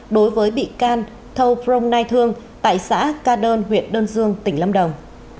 đối với bị can thâu phông nai thương tại xã ca đơn huyện đơn dương tỉnh lâm đồng